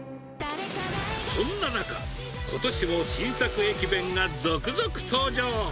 そんな中、ことしも新作駅弁が続々登場！